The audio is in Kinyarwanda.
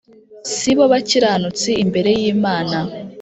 si bo bakiranutsi imbere y Imana